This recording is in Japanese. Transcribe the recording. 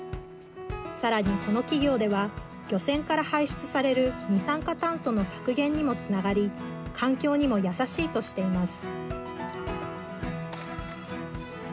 さらに、この企業では漁船から排出される二酸化炭素の削減にもつながり環境にも優しいとしています。